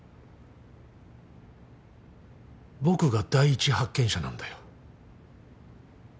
僕が第一発見者なんだよ。